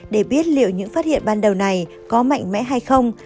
để biết liệu những phát hiện ban đầu này có mạnh mẽ hay không